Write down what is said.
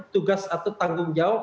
tugas atau tanggung jawab